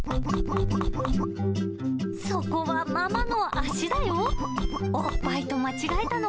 そこはママの足だよ。